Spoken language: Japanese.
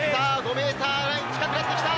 メーターライン近くなってきた。